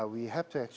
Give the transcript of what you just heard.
kita harus membuat